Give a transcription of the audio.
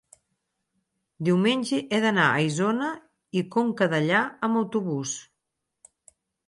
diumenge he d'anar a Isona i Conca Dellà amb autobús.